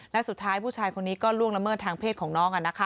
และสุดท้ายผู้ชายคนนี้ก็ล่วงละเมิดทางเพศของน้อง